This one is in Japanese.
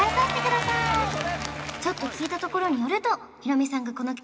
ちょっと聞いたところによるとヒロミさんがえっ？